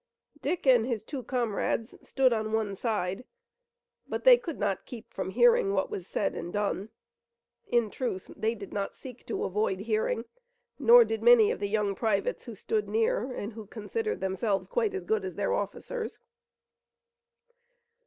Dick and his two comrades stood on one side, but they could not keep from hearing what was said and done. In truth they did not seek to avoid hearing, nor did many of the young privates who stood near and who considered themselves quite as good as their officers.